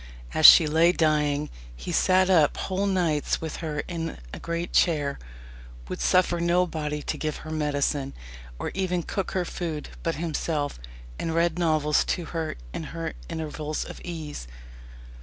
As she lay dying, "he sat up whole nights with her in a great chair, would suffer nobody to give her medicine, or even cook her food, but himself, and read novels to her in her intervals of ease."